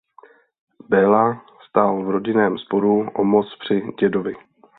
Béla stál v rodinném sporu o moc při dědovi.